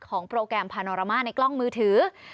ของโปรแกรมพาโนรามาในกล้องมือถือ